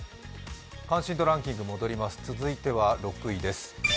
関心度ランキング戻ります、続いては６位です。